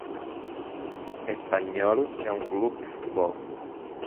Espanyol é um clube de futebol.